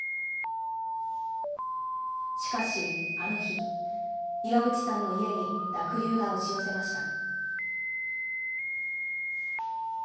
しかし、あの日、岩渕さんの家に濁流が押し寄せました。